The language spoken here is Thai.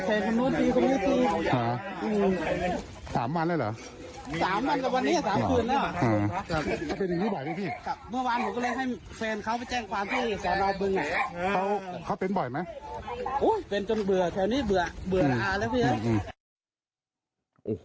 เป็นจนเบื่อตอนนี้เบื่อระอแล้วเพียง